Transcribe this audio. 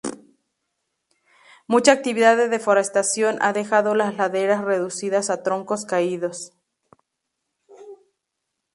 Mucha actividad de deforestación ha dejado las laderas reducidas a troncos caídos.